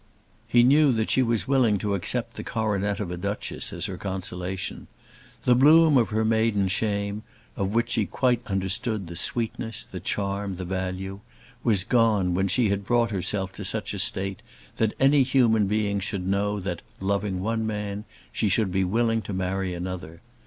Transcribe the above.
He knew that she was willing to accept the coronet of a duchess as her consolation. That bloom of her maiden shame, of which she quite understood the sweetness, the charm, the value was gone when she had brought herself to such a state that any human being should know that, loving one man, she should be willing to marry another.